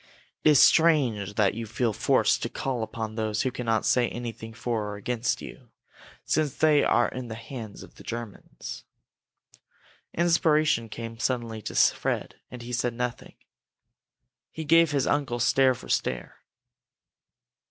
"It is strange that you feel forced to call upon those who cannot say anything for or against you since they are in the hands of the Germans." Inspiration came suddenly to Fred, and he said nothing. He gave his uncle stare for stare.